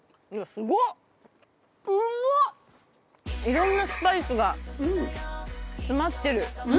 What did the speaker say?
いろんなスパイスが詰まってる。